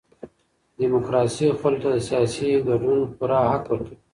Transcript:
ډيموکراسي خلګو ته د سياسي ګډون پوره حق ورکوي.